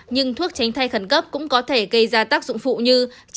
nhưng thuốc tránh thai khẩn cấp cũng có thể gây ra tác dụng phụ như